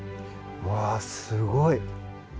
うわすごい。